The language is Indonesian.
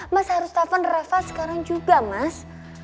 mas harus telepon rafa sekarang juga mas